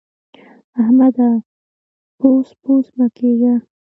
احمده! بوڅ بوڅ مه کېږه.